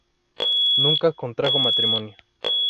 Nunca contrajo matrimonio.